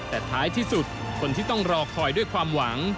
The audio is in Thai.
แต่ท้ายที่สุดคนที่ต้องรอคอยด้วยความหวัง